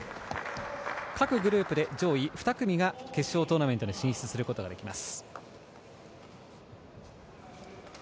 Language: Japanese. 各グループで上位２組が決勝トーナメントに進出することができます。